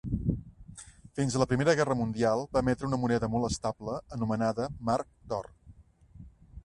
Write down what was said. Fins a la Primera Guerra Mundial, va emetre una moneda molt estable anomenada marc d'or.